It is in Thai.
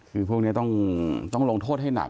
คือพวกนี้ต้องลงโทษให้หนัก